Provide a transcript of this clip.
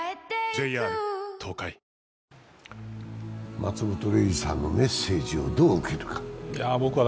松本零士さんのメッセージをどう受けるか。